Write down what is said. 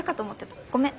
ごめん。